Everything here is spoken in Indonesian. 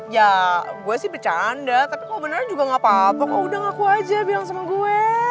ya gue sih bercanda tapi kok beneran juga gak apa apa kok udah ngaku aja bilang sama gue